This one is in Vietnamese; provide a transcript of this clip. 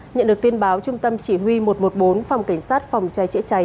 nhận được tin báo trung tâm chỉ huy một trăm một mươi bốn phòng cảnh sát phòng cháy chữa cháy